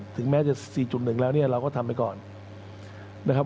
ถึงแม้จะ๔๑แล้วเนี่ยเราก็ทำไปก่อนนะครับ